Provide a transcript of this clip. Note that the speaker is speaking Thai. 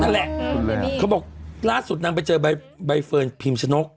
นั่นแหละเขาบอกล่าสุดนางไปเจอใบเฟิร์นพิมชนก